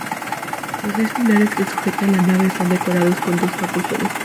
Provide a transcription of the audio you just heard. Los seis pilares que sujetan la nave están decorados con dos apóstoles.